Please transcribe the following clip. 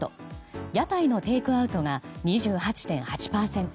屋台のテイクアウトが２８．８％